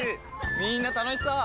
みんな楽しそう！